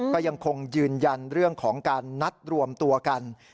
ก็ยังคงยืนยันเรื่องของการนัดรวมตัวกัน